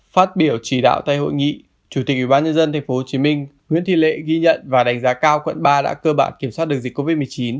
phát biểu chỉ đạo tại hội nghị chủ tịch ubnd tp hcm nguyễn thị lệ ghi nhận và đánh giá cao quận ba đã cơ bản kiểm soát được dịch covid một mươi chín